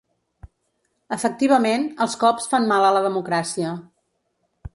Efectivament, els cops fan mal a la democràcia.